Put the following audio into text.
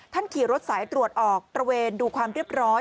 ขี่รถสายตรวจออกตระเวนดูความเรียบร้อย